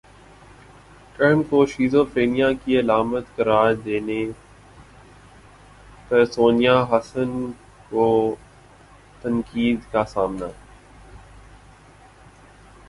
ٹزم کو شیزوفیرینیا کی علامت قرار دینے پر سونیا حسین کو تنقید کا سامنا